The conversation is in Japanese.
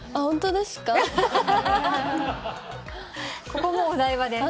ここもお台場です。